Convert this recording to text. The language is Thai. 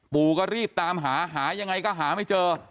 ปู่ก็รีบตามหาหายังไงก็หาไม่เจอ